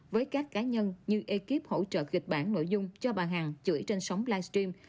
với các cá nhân như ekip hỗ trợ gịch bản nội dung cho bà hằng chửi trên sóng live stream